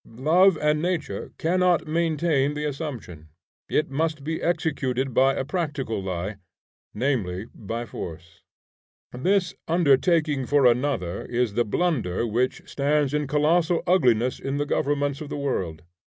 Love and nature cannot maintain the assumption; it must be executed by a practical lie, namely by force. This undertaking for another is the blunder which stands in colossal ugliness in the governments of the world.